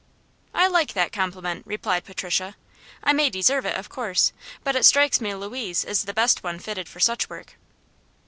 "I like that compliment," replied Patricia. "I may deserve it, of course; but it strikes me Louise is the one best fitted for such work."